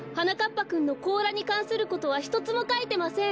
ぱくんのこうらにかんすることはひとつもかいてません。